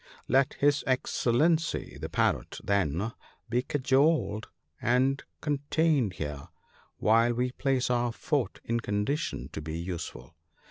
"» Let his Excellency the Parrot, then, be cajoled and de tained here, w T hile we place our fort in condition to be useful.